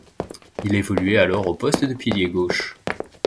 Il évoluait alors au poste de pilier gauche.